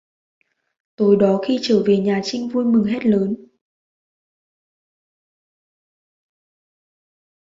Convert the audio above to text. Tối đó khi trở về nhà trinh vui mừng hét lớn